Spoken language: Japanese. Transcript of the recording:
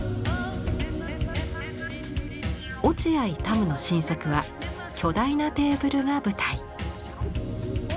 落合多武の新作は巨大なテーブルが舞台。